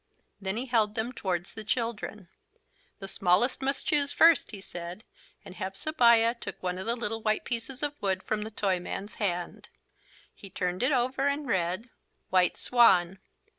Then he held them towards the children. "The smallest must choose first," he said, and Hepzebiah took one of the little white pieces of wood from the Toyman's hand. He turned it over and read: "White Swan."